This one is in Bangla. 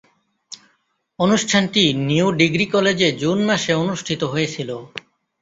অনুষ্ঠানটি নিউ ডিগ্রি কলেজে জুন মাসে অনুষ্ঠিত হয়েছিলো।